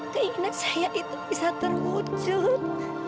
keinginan saya itu bisa terwujud